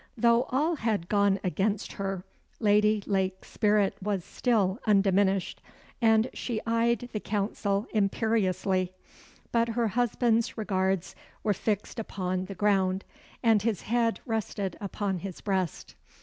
Though all had gone against her, Lady Lake's spirit was still undiminished, and she eyed the Council imperiously; but her husband's regards were fixed upon the ground, and his head rested upon his breast.